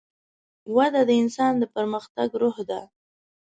وده د انسان د پرمختګ روح ده.